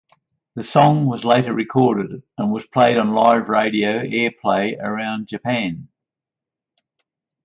The song was later recorded, and was played on live radio airplay around Japan.